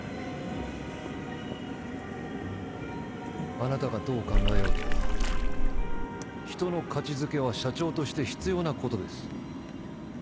あなたがどう考えようと人の価値付けは社長として必要なことです。